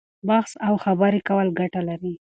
بحث او خبرې کول ګټه لري.